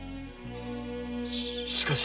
しかし。